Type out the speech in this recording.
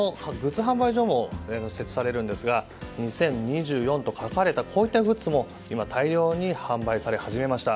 販売所も設置されるんですが２０２４と書かれたグッズも大量に販売され始めました。